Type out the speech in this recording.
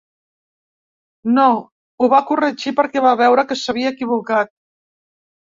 No, ho va corregir perquè va veure que s’havia equivocat.